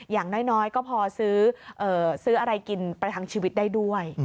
อย่างน้อยก็พอซื้ออะไรกินประทังชีวิตได้ด้วย